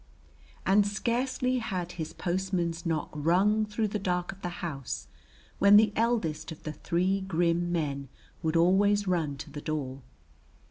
And scarcely had his postman's knock rung through the dark of the house when the eldest of the three grim men would always run to the door.